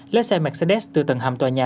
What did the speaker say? lấy xe mercedes từ tầng hầm tòa nhà